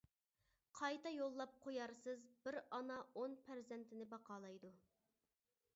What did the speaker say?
قايتا يوللاپ قويارسىز بىر ئانا ئون پەرزەنتىنى باقالايدۇ.